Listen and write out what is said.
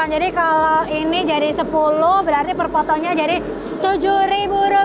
jadi kalau ini jadi sepuluh berarti perpotongnya jadi tujuh rupiah